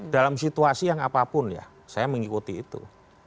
dalam situasi yang apapun ya saya mengikuti itu